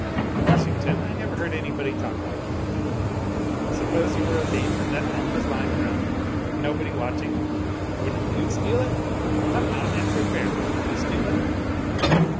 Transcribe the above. "Washington, I never heard anybody talk like you. Suppose you were a thief, and that trunk was lying around and nobody watching wouldn't you steal it? Come, now, answer fair wouldn't you steal it?